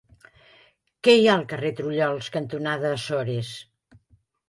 Què hi ha al carrer Trullols cantonada Açores?